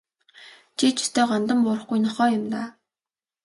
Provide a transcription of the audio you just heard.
Чи ч ёстой гандан буурахгүй нохой юм даа.